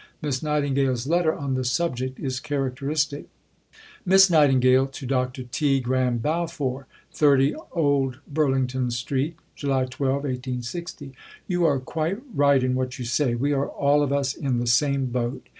Miss Nightingale's letter on the subject is characteristic: (Miss Nightingale to Dr. T. Graham Balfour.) 30 OLD BURLINGTON ST., July 12 . You are quite right in what you say. We are all of us in the same boat.